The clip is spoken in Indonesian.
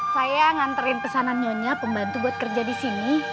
saya nganterin pesanan nyonya pembantu buat kerja di sini